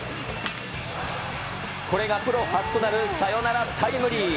これがプロ初となるサヨナラタイムリー。